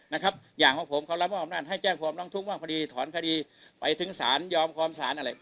นะครับอย่างของผมความละบริษัทให้แจ้งความล้องทุกข์ว่าพอดีถอนคดีไปถึงศาลยอมความศาลอะไร